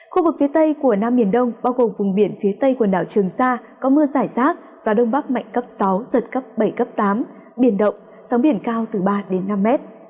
khu vực phía tây của nam biển đông bao gồm vùng biển phía tây quần đảo trường sa có mưa giải rác gió đông bắc mạnh cấp sáu giật cấp bảy cấp tám biển động sóng biển cao từ ba đến năm mét